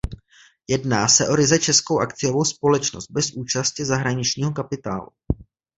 Jedná se o ryze českou akciovou společnost bez účasti zahraničního kapitálu.